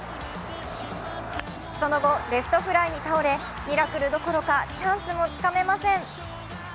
その後、レフトフライに倒れミラクルどころかチャンスもつかめません。